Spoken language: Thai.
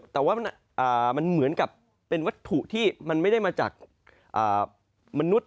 แต่ว่ามันเหมือนกับเป็นวัตถุที่มันไม่ได้มาจากมนุษย์